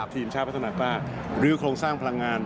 ทีมชาติพัฒนากล้าหรือโครงสร้างพลังงาน